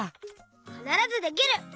「かならずできる！」。